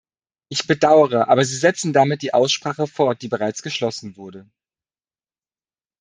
Ich bedauere, aber Sie setzen damit die Aussprache fort, die bereits geschlossen wurde.